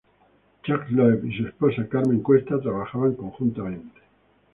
Chuck Loeb y su esposa, Carmen Cuesta, trabajan conjuntamente.